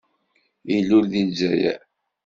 Ilul deg Lezzayer.